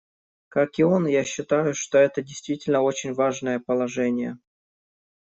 Как и он, я считаю, что это действительно очень важные положения.